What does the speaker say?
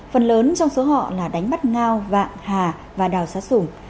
phần lớn trong số họ là đánh bắt ngao vạng hà và đào xá sùng